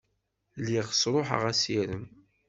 Lliɣ sṛuḥeɣ assirem.